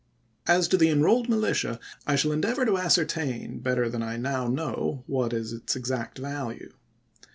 As to the '' Enrolled Militia," I shall endeavor to as certain, better than I now know, what is its exact value.